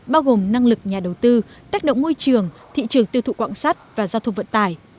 bao gồm năng lực nhà đầu tư tác động ngôi trường thị trường tư thụ quảng sát và gia thục vận tải